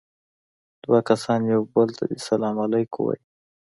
دوه کسان يو بل ته دې سلام عليکم ووايي.